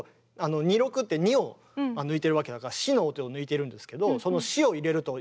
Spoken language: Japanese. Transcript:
「二六」って２音抜いてるわけだから「シ」の音を抜いてるんですけどその「シ」を入れると途端に。